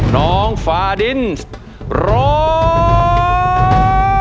น้องฟาดินร้อง